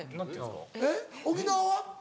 えっ沖縄は？